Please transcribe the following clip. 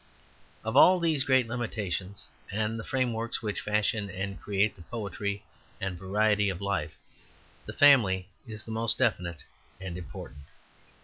Of all these great limitations and frameworks which fashion and create the poetry and variety of life, the family is the most definite and important.